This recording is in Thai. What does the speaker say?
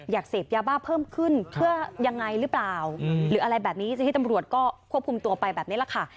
อยากเสพยาบ้าเพิ่มขึ้นเพื่อยังไงหรือเปล่าหรืออะไรแบบนี้เจ้าที่ตำรวจก็ควบคุมตัวไปแบบนี้แหละค่ะ